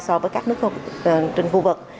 so với các nước trên khu vực